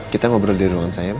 kita ngobrol di ruangan saya pak